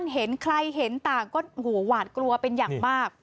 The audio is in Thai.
หัวหวาดกลัวเป็นอย่างมาก